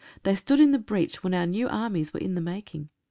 They stood in the breach when our new armies were in the making.